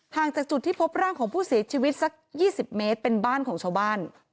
จากจุดที่พบร่างของผู้เสียชีวิตสัก๒๐เมตรเป็นบ้านของชาวบ้าน